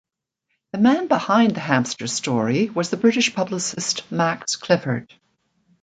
The man behind the hamster story was the British publicist Max Clifford.